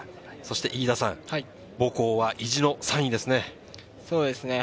飯田さん、母校は意地の３位ですね。